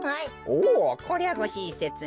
おぉこれはごしんせつに。